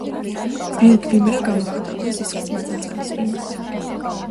ბილ გვიმრა გამოხატავდა ზიზღს მაწანწალას მიმართ.